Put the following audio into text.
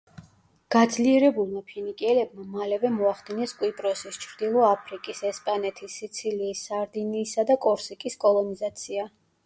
გაძლიერებულმა ფინიკიელებმა მალევე მოახდინეს კვიპროსის, ჩრდილო აფრიკის, ესპანეთის, სიცილიის, სარდინიისა და კორსიკის კოლონიზაცია.